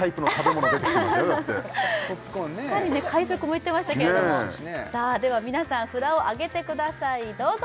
しっかり会食も行ってましたけれどもさあでは皆さん札を上げてくださいどうぞ！